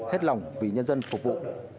hết lòng vì nhân dân phục vụ